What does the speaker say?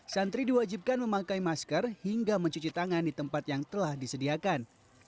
santri diwajibkan memakai masker hingga mencuci tangan di tempat yang telah disediakan